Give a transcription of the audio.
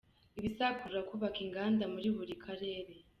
Ibizakurura kubaka inganda muri buri karere .